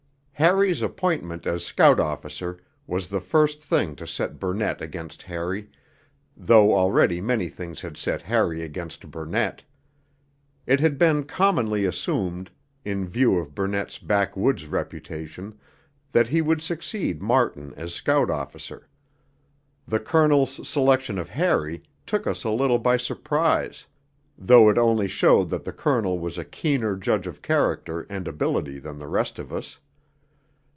Harry's appointment as Scout Officer was the first thing to set Burnett against Harry, though already many things had set Harry against Burnett. It had been commonly assumed, in view of Burnett's 'backwoods' reputation, that he would succeed Martin as Scout Officer. The Colonel's selection of Harry took us a little by surprise, though it only showed that the Colonel was a keener judge of character and ability than the rest of us.